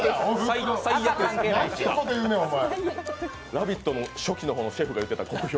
「ラヴィット！」の初期の方のシェフが言っていた酷評。